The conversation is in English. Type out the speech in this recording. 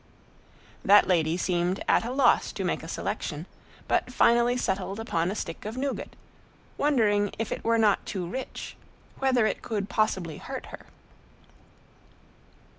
That lady seemed at a loss to make a selection, but finally settled upon a stick of nougat, wondering if it were not too rich; whether it could possibly hurt her.